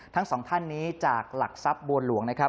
ทั้งสองท่านนี้จากหลักทรัพย์บัวหลวงนะครับ